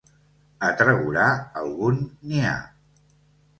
A Tregurà algun n'hi ha.